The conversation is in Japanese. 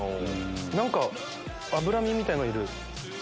何か脂身みたいのいる。